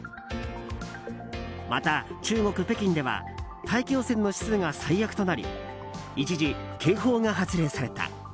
また中国・北京では大気汚染の指数が最悪となり一時、警報が発令された。